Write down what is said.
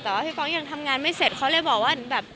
แต่ว่าพี่ก๊อกยังทำงานไม่เสร็จเขาเลยบอกว่าแบบ